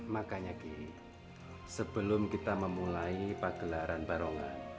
makanya gini sebelum kita memulai pagelaran barongan